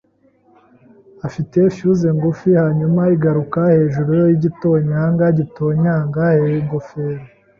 afite fuse ngufi hanyuma iguruka hejuru yigitonyanga gitonyanga ingofero.